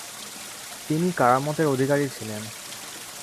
তিনি কারামতের অধিকারী ছিলেন।